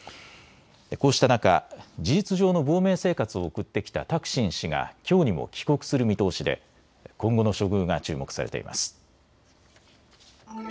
こうした中、事実上の亡命生活を送ってきたタクシン氏がきょうにも帰国する見通しで今後の処遇が注目されています。